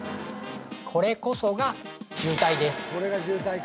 これこそが渋滞です